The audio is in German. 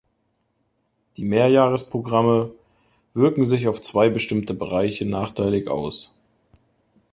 Die Mehrjahresprogramme wirken sich auf zwei bestimmte Bereiche nachteilig aus.